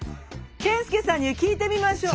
健介さんに聞いてみましょう。